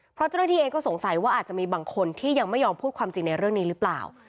เพราะเจ้าหน้าที่เองก็สงสัยว่าอาจจะมีบางคนที่ยังไม่ยอมพูดความจริงในเรื่องนี้หรือเปล่า